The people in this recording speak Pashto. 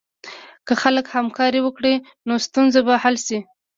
که خلک همکاري وکړي، نو ستونزه به حل شي.